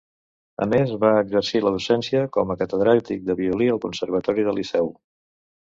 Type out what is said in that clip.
A més, va exercir la docència com a catedràtic de violí al Conservatori del Liceu.